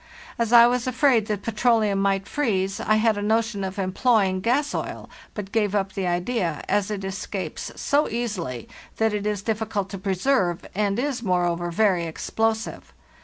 As I was afraid that petroleum might freeze, I had a notion of employing gas oil, but gave up the idea, as it escapes so easily that it is difficult to preserve, and is, moreover, very explosive.